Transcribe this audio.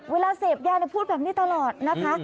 เวลาเสพยาพูดแบบนี้ตลอดนะคะ